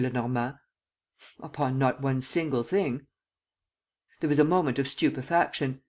Lenormand?" "Upon not one single thing." There was a moment of stupefaction.